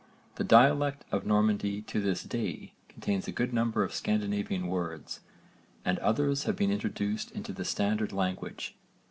The dialect of Normandy to this day contains a good number of Scandinavian words, and others have been introduced into the standard language.